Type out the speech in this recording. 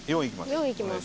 「４」いきます。